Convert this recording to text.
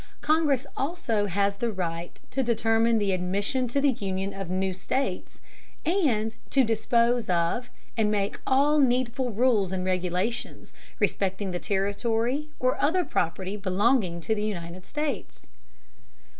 Congress also has the right to determine the admission to the Union of new states, and "to dispose of and make all needful rules and regulations respecting the territory or other property belonging to the United States."